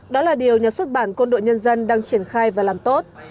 đó là điều nhà xuất bản quân đội nhân dân đang triển khai và làm tốt